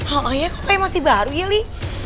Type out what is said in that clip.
oh iya kok masih baru ya li